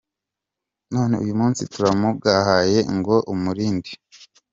None uyu munsi turamugahaye ngo umurinde.